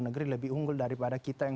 negeri lebih unggul daripada kita yang